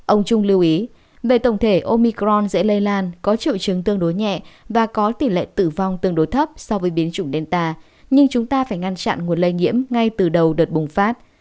ông trung lưu ý về tổng thể omicron dễ lây lan có triệu chứng tương đối nhẹ và có tỷ lệ tử vong tương đối thấp so với biến chủng delta nhưng chúng ta phải ngăn chặn nguồn lây nhiễm ngay từ đầu đợt bùng phát